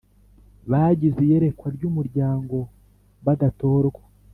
bagize iyerekwa ry umuryango badatorwa